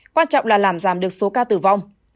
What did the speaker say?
quan trọng là làm giảm được số ca tử vong